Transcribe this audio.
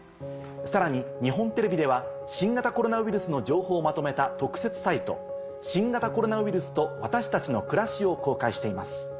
さらに日本テレビでは新型コロナウイルスの情報をまとめた。を公開しています。